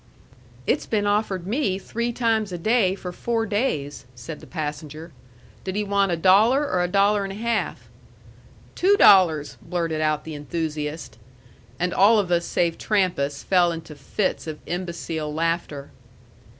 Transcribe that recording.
"It's been offered me three times a day for four days," said the passenger. "Did he want a dollar or a dollar and a half?" "Two dollars!" blurted out the enthusiast. And all of us save Trampas fell into fits of imbecile laughter.